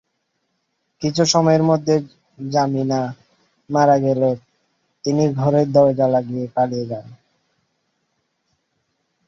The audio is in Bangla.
কিছু সময়ের মধ্যে জামিনা মারা গেলে তিনি ঘরের দরজা লাগিয়ে পালিয়ে যান।